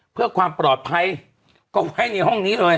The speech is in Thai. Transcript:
เพื่อความปลอดภัยก็ไว้ในห้องนี้เลย